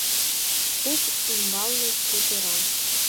Куп ӱмбалне тӱтыра